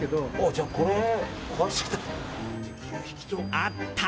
あった！